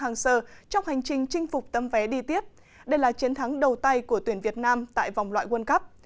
thầy trò huấn luyện viên park ha trong hành trình chinh phục tấm vé đi tiếp đây là chiến thắng đầu tay của tuyển việt nam tại vòng loại world cup